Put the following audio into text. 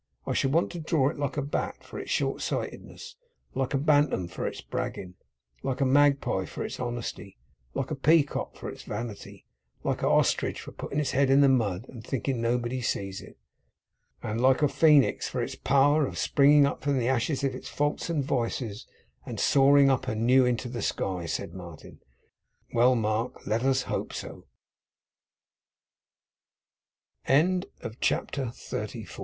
I should want to draw it like a Bat, for its short sightedness; like a Bantam, for its bragging; like a Magpie, for its honesty; like a Peacock, for its vanity; like a ostrich, for its putting its head in the mud, and thinking nobody sees it ' 'And like a Phoenix, for its power of springing from the ashes of its faults and vices, and soaring up anew into th